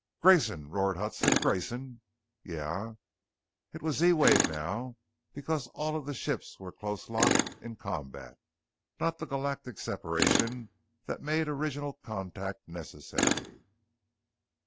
"Grayson!" roared Huston. "Grayson!" "Yeah ?" It was Z wave now, because all of the ships were close locked in combat. Not the galactic separation that made original contact necessary.